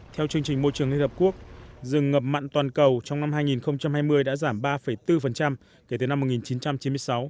theo chương trình môi trường liên hợp quốc rừng ngập mặn toàn cầu trong năm hai nghìn hai mươi đã giảm ba bốn kể từ năm một nghìn chín trăm chín mươi sáu